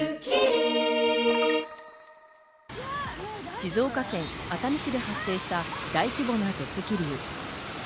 静岡県熱海市で発生した大規模な土石流。